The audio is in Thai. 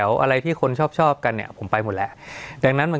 สวัสดีครับทุกผู้ชม